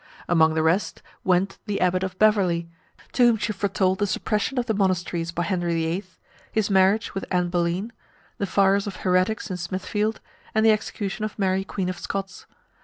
Among the rest, went the Abbot of Beverley, to whom she foretold the suppression of the monasteries by Henry VIII., his marriage with Anne Boleyn, the fires for heretics in Smithfield, and the execution of Mary Queen of Scots.